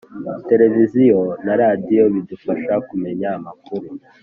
Televiziyo na radio bidufasha kumenya amakuru